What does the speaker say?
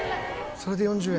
それで４０円？